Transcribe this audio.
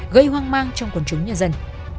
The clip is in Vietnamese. gây hoang mang trong quần chúng nhân dân